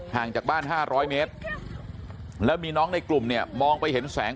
ห่างจากบ้าน๕๐๐เมตรแล้วมีน้องในกลุ่มเนี่ยมองไปเห็นแสง